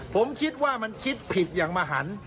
ผมคิดว่ามันคิดผิดอย่างมหัน